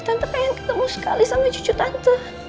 tante pengen ketemu sekali sama cucu tante